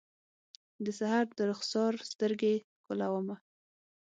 د سحر درخسار سترګې ښکلومه